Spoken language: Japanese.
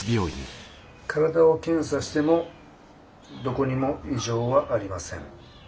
体を検査してもどこにも異常はありません。